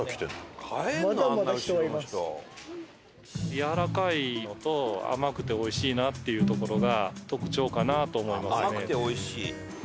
やわらかいのと甘くておいしいなっていうところが特徴かなと思いますね。